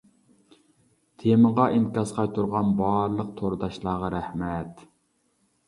تېمىغا ئىنكاس قايتۇرغان بارلىق تورداشلارغا رەھمەت.